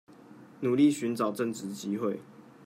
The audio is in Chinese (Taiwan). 努力尋找正職機會